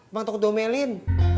bang toko domelin